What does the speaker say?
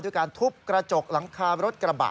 การทุบกระจกหลังคารถกระบะ